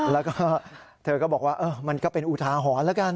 แล้วก็เธอก็บอกว่ามันก็เป็นอุทาหรณ์แล้วกัน